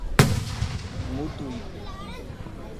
Mutuípe